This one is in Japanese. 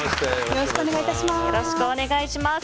よろしくお願いします。